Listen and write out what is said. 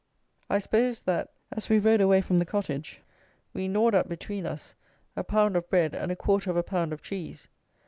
I suppose that, as we rode away from the cottage, we gnawed up, between us, a pound of bread and a quarter of a pound of cheese.